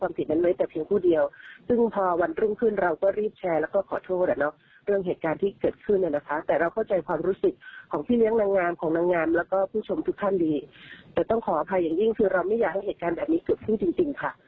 ไม่อยากให้เหตุการณ์แบบนี้เกือบขึ้นจริงค่ะ